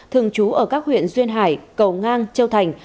thường trú ở các huyện duyên hải cầu ngang châu thành